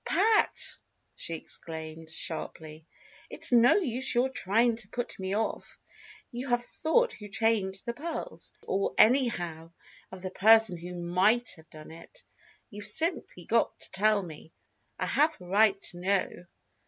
"Pat!" she exclaimed, sharply. "It's no use your trying to put me off. You have thought who changed the pearls or anyhow, of a person who might have done it. You've simply got to tell me. I have a right to know."